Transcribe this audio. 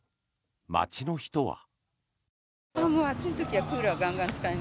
街の人は。